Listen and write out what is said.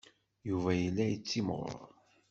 Yuba yella yettimɣur.